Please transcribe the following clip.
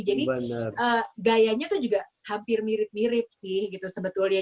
jadi gayanya tuh juga hampir mirip mirip sih gitu sebetulnya